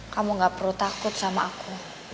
kamu gak perlu takut sama aku